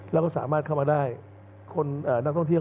แล้วก็สามารถเข้ามาได้คนนักท่องเที่ยว